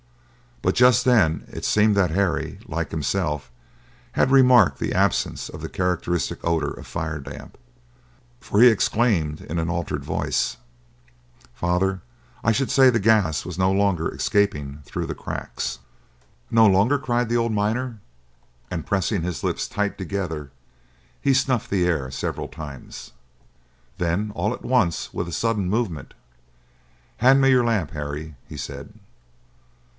But just then it seemed that Harry, like himself, had remarked the absence of the characteristic odor of fire damp; for he exclaimed in an altered voice, "Father, I should say the gas was no longer escaping through the cracks!" "No longer!" cried the old miner—and, pressing his lips tight together, he snuffed the air several times. Then, all at once, with a sudden movement, "Hand me your lamp, Harry," he said.